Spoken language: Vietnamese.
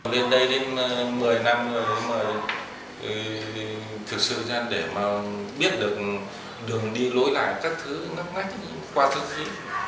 đến đây đến một mươi năm rồi mà thực sự ra để mà biết được đường đi lối lại các thứ ngắm ngách qua thân sĩ